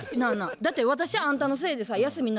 だって私あんたのせいでさ休みになってさ。